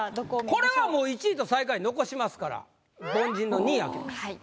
これはもう１位と最下位残しますから凡人の２位開けます。